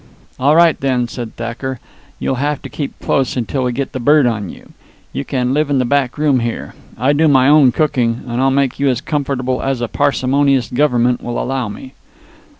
"All right, then," said Thacker. "You'll have to keep close until we get the bird on you. You can live in the back room here. I do my own cooking, and I'll make you as comfortable as a parsimonious Government will allow me."